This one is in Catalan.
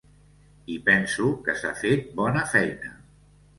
I penso que s’ha fet bona feina.